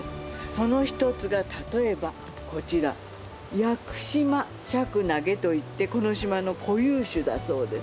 その一つが例えばこちらといってこの島の固有種だそうです